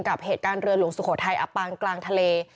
กับเหตุการณ์เรือหลวงสุโขทัยอับปางกลางทะเล